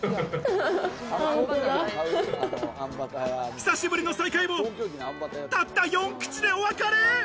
久しぶりの再会もたった４口でお別れ。